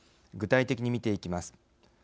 具体的に見ていきます。